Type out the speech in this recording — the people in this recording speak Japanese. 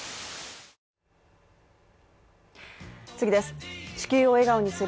次です。